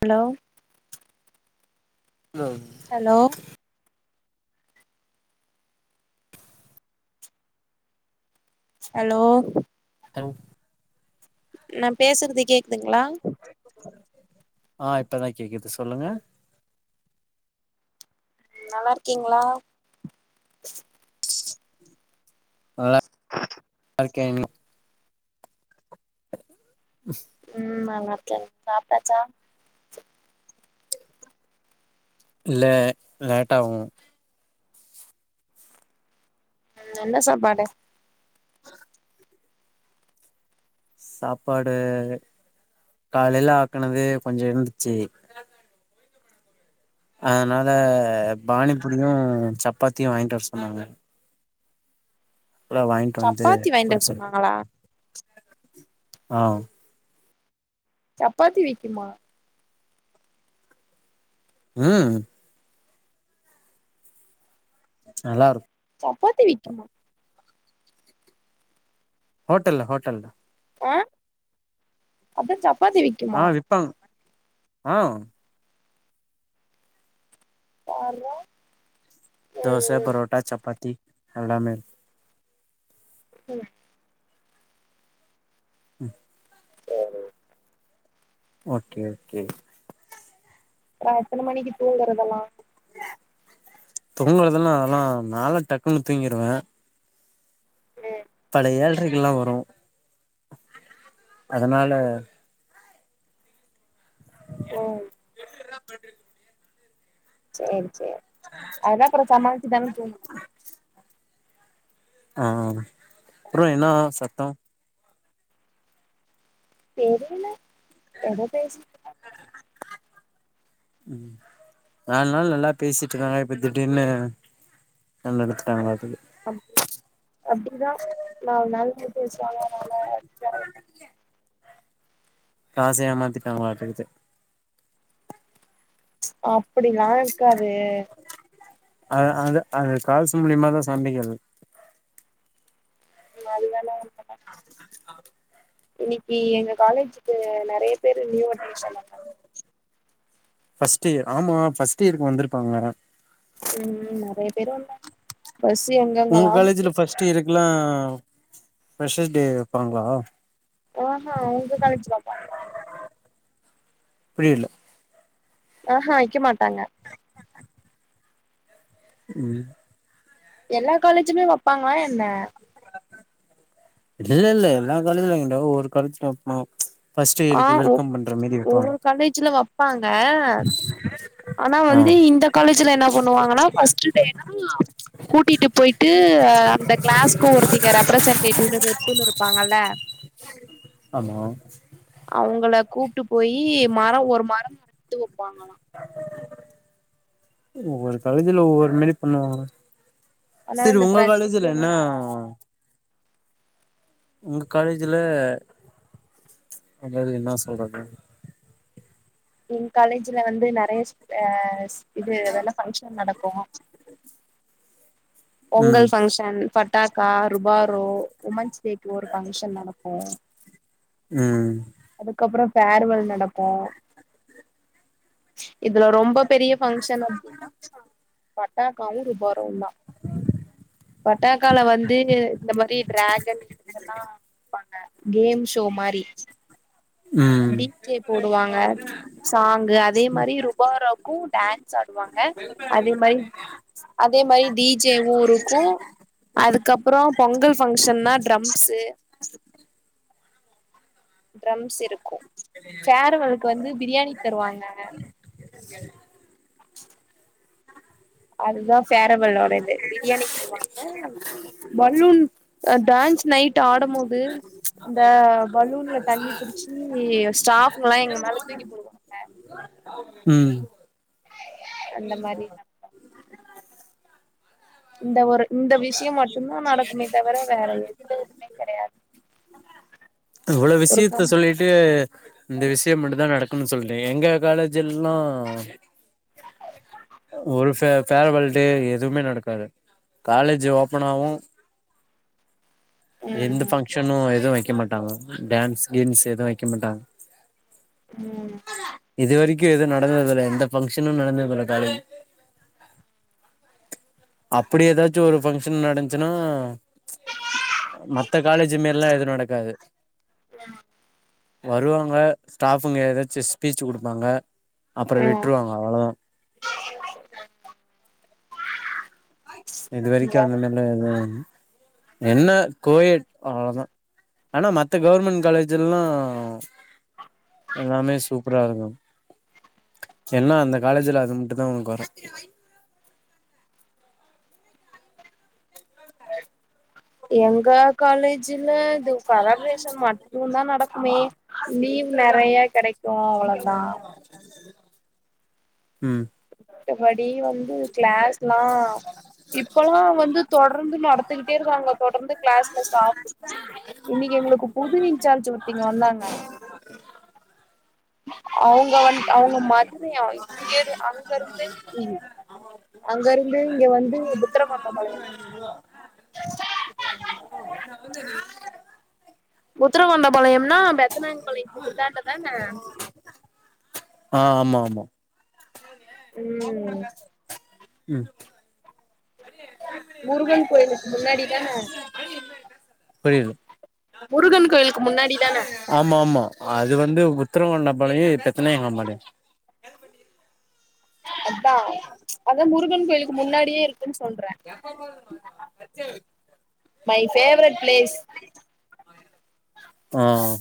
hello hello hello hello hello நா பேசுறது கேக்குதுங்ளா ஆ இப்பதா கேக்குது சொல்லுங்க நல்லாருக்கீங்ளா நல்லாருக்கேன் ம் நல்லாருக்கே சாப்ட்டாச்சா இல்ல லேட் ஆவு என்ன சாப்பாடு சாப்பாடு காலைல ஆக்குனதே கொஞ்சோ இருந்துச்சி அதனால பானிப்பூரியு சப்பாத்தியு வாங்கிட்டு வர சொன்னாங்க அதா வாங்கிட்டு வந்து சப்பாத்தி வாயின்ட்டு வர குடுத்தே சொன்னாங்ளா ஆ சப்பாத்தி விக்குமா உம் நல்லாருக்கு சப்பாத்தி விக்கிமா ஹோட்டெல்ல ஹோட்டல்ல ஆ அப்டியே சப்பாத்தி விக்குமா ம் ஆஹ் பார்ரா தோச பரோட்டா சப்பாத்தி எல்லாமெ ம் ம் சேரி ஓகே ஓகே அப்புறோ எத்தன மணிக்கு தூங்கறதெல்லா தூங்குறதெல்லா அதெல்லா நாலா டக்குன்னு தூங்கிருவே சேரி பல ஏழரைகள்லா வரு அதனால ம் என்ன பண்ட்டு இருக்கீங்க சேரி சேரி அதுதா அப்புறோ சமாளிச்சு தானே தூங்குனு ஆ அப்புறோ என்ன சத்தோ தெரியல எதோ பேசிட் ம் நாலு நாள் நல்லா பேசிட்டு இருக்காங்க இப்ப திடீர்ன்னு நல்ல எடுத்துட்டாங்களா அதுக்கு அப்ப அப்படிதான் நான் நல்ல பேசுவாங்கனால காச ஏமாத்திட்டாங்களாட்டுருக்கு அப்படிலாம் இருக்காது அ அது அது காசு மூலியமாதான் சண்டைக்கு வரது நல்லா இல்ல இன்னைக்கு எங்க காலேஜ்க்கு நிறைய பேர் நியூ அட்மிஷன் வந்தாங்க ஃபஸ்ட் இயர் ஆமா ஃபஸ்ட் இயருக்கு வந்திருப்பாங்க ம் நிறைய பேரு வந்தாக பசிங்க உங்க காலேஜில ஃபர்ஸ்ட்டு இயருக்கெலாம் ஃப்ரெஷர்ஸ் டே வைப்பாங்களா ஆஹான் உங்க காலேஜ்ல வைப்பாங்களா புரியல ஆஹா வைக்க மாட்டாங்க ம் எல்லா காலேஜ்லயும் வைப்பாங்களா என்ன இல்ல இல்ல இல்ல எல்லாம் காலேஜ்லயும் வைக்க மாட்டாங்க ஒவ்வொரு ஒரு காலேஜ்லயும் வைப்பாங்க ஆ ஒ ஒவ்வொரு காலேஜ்ல வைப்பாங்க ஆனா ஆ வந்து இந்த காலேஜ்ல என்ன பண்ணுவாங்கன்னா பர்ஸ்ட் டே ல லாம் கூட்டிட்டு போயிட்டு ஆ அந்த கிளாஸ்க்கு ஒருத்தங்க ரெப்ரசன்டேட்டிவ்னு ரெப்புன்னு இருப்பாங்கல்ல ஆமா அவங்கள கூப்பிட்டு போயி மரம் ஒரு மரம் நாட்டு வைப்பாங்களாம் ஒவ்வொரு காலேஜ்ல ஒவ்வொரு மாரி பண்ணுவாங்க ஆனா செரி இந்த உங்க ஃப்ரெஷர்ஸ் காலேஜ் ல டேலா என்னா உங்க காலேஜ் ல ஆ காலேஜ்ல என்ன சொல்றது எங்க காலேஜ்ல வந்து நிறைய அதல்லாம் இது ஃபங்ஷன் நடக்கும் ம் பொங்கல் ஃபங்க்ஷன் பட்டாக்கா ருபாரோ உமன்ஸ் டேக்கு ஒரு பங்க்ஷன் நடக்கும் ம் அதுக்கப்புறம் பேர்வல் நடக்கும் இதுல ரொம்ப பெரிய ஃபங்க்ஷன் அப்படின்னா பட்டக்காவும் ருபாரோ தான் பட்டாக்கால வந்து இந்த மாதிரி டிராகன் இதெல்லாம் வைப்பாங்க கேம் ஷோ மாதிரி ம் டீ ஜே போடுவாங்க சாங்கு அதே மாதிரி ருபாராக்கும் டான்ஸ் ஆடுவாங்க அதே மாதிரி அதே மாதிரி டீஜே வும் இருக்கும் அதுக்கப்புறம் பொங்கல் ஃபங்க்ஷன்னா ட்ரம்ஸு டரம்ஸ் இருக்கும் பேர்வளுக்கு வந்து பிரியாணி தருவாங்க அதுதான் பேரவலோட இது பிரியாணி போடுவாங்க பலூன் அந்த டான்ஸ் நைட் ஆடும் போது அந்த பலூன்ல தண்ணி புடிச்சி போயி ஸ்டாஃப்லாம் எங்க மேல தூக்கி போடு ஆ ம் அந்த மாரிதா இந்த ஒரு இந்த விஷியு மட்டுந்தா நடக்குமே தவர வேற எந்த எதுவுமே கெடையாது இவ்வள ஒரு விஷியத்த கம் சொல் ட்டு இந்த விஷிய மட்டுந்தா நடக்குன்னு சொல்றீங்க எங்க காலேஜ் எல்லா ஒரு ஃப ஃபேரவால் டே எதுவ்மே நடக்காது காலேஜு ஓபனாவு எந்த ம் ஃபங்க்ஷனு எதுவு வெக்க மாட்டாங்க டான்ஸ் கீன்ஸ் எதுவ வெக்க மாட்டாங்க ம் இது வெரிக்கு எது நடந்ததில்ல எந்த ஃபங்க்ஷனு நடந்ததில்ல காலேஜ் அப்படி எதாச்சு ஒரு ஃபங்க்ஷன் நடந்ச்சுனா மத்த காலேஜி மேர்ல்லா எது நடக்காது யா வருவாங்க ஸ்டாஃபுங்க எதாச்சு ஸ்பீச்சு குடுப்பாங்க அப்பற ம் விட்ருவாங்க அவ்ளதா இது வெரிக்கு ம் அந்தமேர்ல்லா எதவும் என்ன கோயெட் அவ்ளதா ஆனா மத்த கவுர்மெண் காலேஜ்ல்லா எல்லாமே சூப்பரா இருக்கும் என்ன அந்த காலேஜுல அது மட்டுந்தா ஒன்னு கொற எங்க காலேஜில இது செலப்ரேஷன் மட் டுந்தா நடக்குமே லீவ் நெறைய கெடைக்கு அவ்வளதா ம் மத்தபடி வந்து க்ளாஸ்லா இப் பல்லா வந்து தொடர்ந்து நடத்துகிட்டே இருக்காங்க தொடர்ந்து கிளாஸ்ல ஸ்டா ஆ இன்னிக்கி எங்களுக்கு புது இன்ச்சார்ஜு ஒருத்திங்க வந்தாங்க அவுங்க வந் அவுங்க மதுரையா இங்கெரு அங்கருந்து [unintelligible] அங்க இருந்து இங்க வந்து புத்தரவாண்டபாளையமா புத்தரவாண்ட பாளையம்னா பெத்தனாயங்பாளையத்துக்கு இந்தாண்டதான ஆ ஆமா ஆமா ம் ம் முருகன் கோயிலுக்கு முன்னாடி தானே புரியல முருகன் கோயிலுக்கு முன்னாடி தானே ஆமா ஆமா அது வந்து புத்தரங்காண்ட பாளயு இது பெத்தனாயங்கம்பாளயம் அத்தா அதா முருகன் கோயிலுக்கு முன்னாடியே இருக்குன் சொல்றே மை ஃபேரெட் ப்ளேஸ் அ அ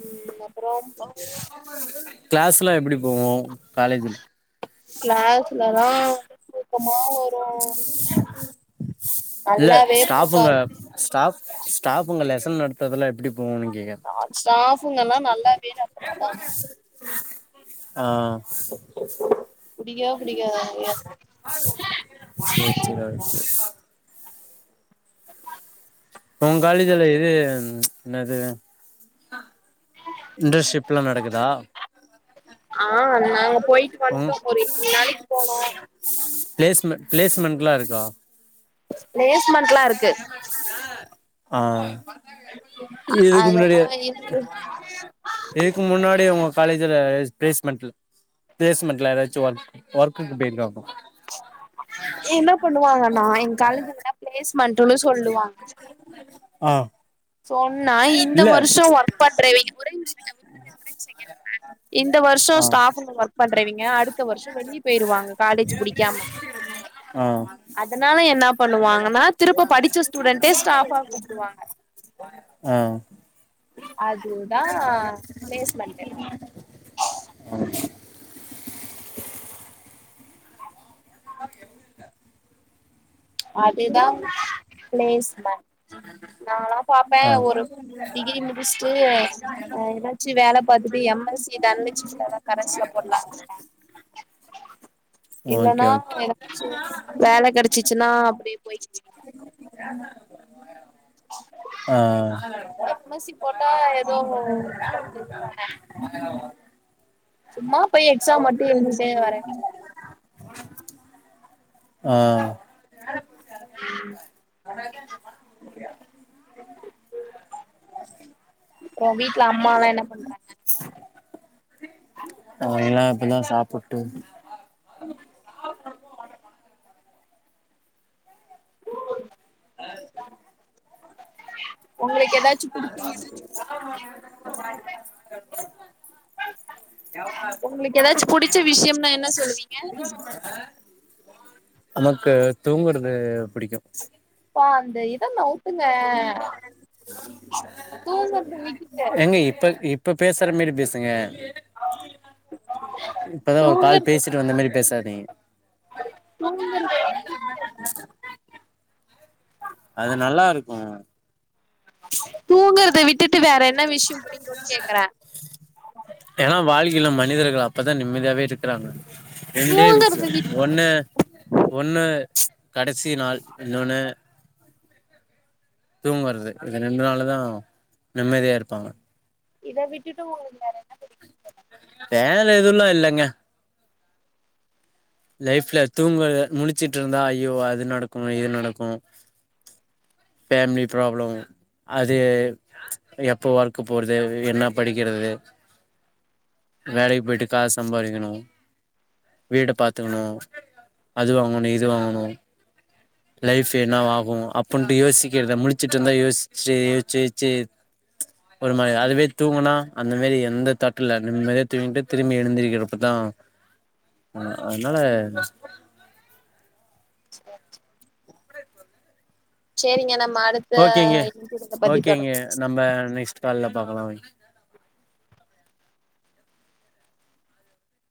ம் அப்புறோம் க்ளாஸ்லா எப்படி போவு காலேஜில் க்ளாஸ்லதா தூக்க தூக்கமா வரு இல்ல நல்லாவே ஸ்டாஃபுங்க போகாது ஸ்டாஃப் ஸ்டாஃபுங்க லெசன் நடத்தற்துலா எப்படி போவுனு கே ஸ்டாஃபுங்க எல்லாம் நல்லாவே நடத்தமாட்டாங்க ஆ புடிக்கவே புடிக்காது சரி சரி ஆ உன் காலேஜுல இது என்னது இன்டர்ஷிபெலாம் நடக்குதா ஆ நாங்க போயிட்டு வந்துட்டோம் ஒருரெண்டு மூணு நாளைக்கு போனோம் பிளஸ்மெ பிளேஸ்மெண்ட் எல்லாம் இருக்கா பிளேஸ்மெண்டெலாம் இருக்கு ஆ இதுக்கு அதெல்லா முன்னாடியே இருக்கு முன்னாடி உங்க காலேஜ்ல பிளேஸ்மெண்ட் பிளேஸ்மெண்ட்ல யாராச்சும் வர்க் ஒர்க்குக்கு போயிருக்காங்க என்ன பண்ணுவாங்கன்னா எங் காலேஜ்ல பிளேஸ்மெண்டுன்னு சொல்லுவாங்க ஆ சொன்னா இந்த இல்ல வருஷம் ஒர்க் பண்றவீக கூட [unintelligible] ஒர ஒர செய்ய இந்த வருஷம் ஆ ஸ்டாஃபுங்க ஒர்க் பண்றவீங்க அடுத்த வருஷம் வெளியே போயிருவாங்க காலேஜ் புடிக்காம ஆ அதனால என்ன பண்ணுவாங்கன்னா திருப்ப படிச்ச ஸ்டூடண்டே ஸ்டாஃப்பா கூப்புடுவாங்க ஆ அதுதான் பிளேஸ்மெண்டு ஓகே இ [unintelligible] அதுதான் பிளேஸ்மண்ட் நானெலாம் பாப்பேன் ஆ ஒரு டிகிரி முடிச்சுட்டு ஏதாச்சும் முடிச்சு வேலை பாத்துட்டு எம் எஸ் சி தனலட்சுமி தான் கரசுல போட்லாம் ஓகே ஓகே வேலை கிடைச்சிச்சுன்னா அப்படியே போயி ஆ எம்எஸ்சி போட்டா ஏதோ இப்ப செஞ்சதானே சும்மா போயி எக்ஸாம் மட்டும் எழுந்திட்டே வரே ஆ [unintelligible] வீட்டுல அம்மா எல்லாம் என்ன பண்றாங்க அ [inaudible] ம் எல்லாம் இப்பதான் சாப்பிட்டு அ [unintelligible] ஏதாச்சு புடிச்ச விஷய [unintelligible] எவளா உங்களுக்கு ஏதாச்சு புடிச்ச விஷயம்னா என்ன சொல்லுவீங்க [unintelligible] நமக்கு தூங்குறது பிடிக்கும் அப்பா அந்த இத நவுத்துங்க தூங்குறத விட்டுட்டேன் இப்ப இப்ப இப்ப பேசுற மாரி பேசுங்க இப்பதான் ஒரு கால் பேசிட்டு வந்த மாதிரி பேசாதீங்க தூங்குது [unintelligible] அது நல்லா இருக்கு தூங்குறத விட்டுட்டு வேற என்ன விஷய பிடிக்குன் கேக்குறே ஏன்னா வாழ்கையில மனிதர்கள் அப்பதா நிம்மதியாவே இருக்குறாங்க ரெண்டே விஷயோ தூங்கறத விட்டு ஒன்னு ஒன்னு கடசி நாள் இன்னொன்னு தூங்குறது இது ரெண்டு நாளதா நிம்மதியா இருப்பாங்க இத விட்டுட்டு ஒங்களுக்கு வேற என்ன தெரியு வேல எதுவும்ல்லா இல்லங்க லைஃப்ல தூங்குறது முளுச்சுட்டு இருந்தா ஐயோ அது நடக்கு இது நடக்கு ஃபேமிலி ப்ராப்ளம் அது எப்போ ஒர்க் போறது என்ன படிக்கிறது வேலைக்கு போயிட்டு காசு சம்பாரிக்கனு வீட பாத் த்துக்கனு அது வாங்கனு இது வாங்கனு லைஃப் என்னவா ஆகு அப்டின்னுட்டு யோசிக்கிறத முளிச்சிட்டு இருந்தா யோசிச்சு யோச்சு யோச்சு ஒரு மாரி அதுவே தூங்குனா அந்த மாரி எந்த தட்டு இல்ல நிம்மதியா தூங்கிட்டு திரும்பி எழுந்திருக்கிறப்பதா [inaudible] ஆ அதனால [unintelligible] சேரிங்க நம்ம அடுத் ஓகேங்க ஓகேங்க நம்ம நெக்ஸ்ட்டு கால்ல பாக்கலா வய்